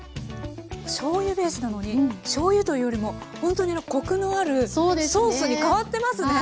しょうゆベースなのにしょうゆというよりもほんとにコクのあるソースに変わってますね。